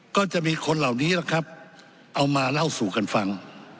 ก็จะมีคนเหล่านี้แหละครับเอามาเล่าสู่กันฟัง